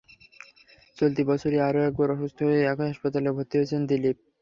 চলতি বছরই আরও একবার অসুস্থ হয়ে একই হাসপাতালে ভর্তি হয়েছিলেন দিলীপ।